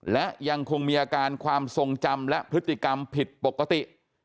และยังคงมีอาการความทรงจำและพฤติกรรมผิดปกติ